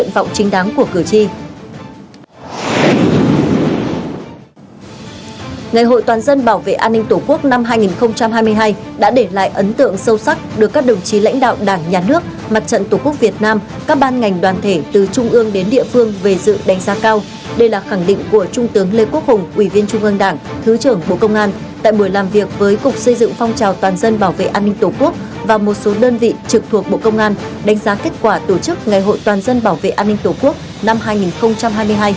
và một số đơn vị trực thuộc bộ công an đánh giá kết quả tổ chức ngày hội toàn dân bảo vệ an ninh tổ quốc năm hai nghìn hai mươi hai